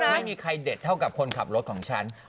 ไม่มีใครเด็ดเท่ากับคนขับรถของฉัน